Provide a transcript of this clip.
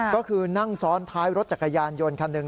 ก็คือนั่งซ้อนท้ายรถจักรยานยนต์คันหนึ่ง